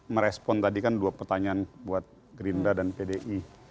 merespon tadi kan dua pertanyaan buat gerindra dan pdi